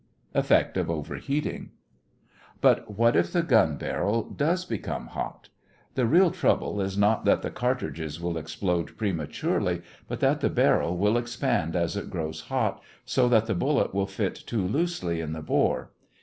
EFFECT OF OVERHEATING But what if the gun barrel does become hot? The real trouble is not that the cartridge will explode prematurely, but that the barrel will expand as it grows hot, so that the bullet will fit too loosely in the bore.